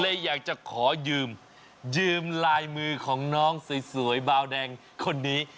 เลยอยากจะขอยืมยืมลายมือของน้องสวยบาวแดงคนนี้